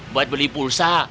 buat beli pulsa